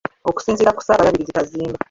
Okusinziira ku ssaabalabirizi Kaziimba.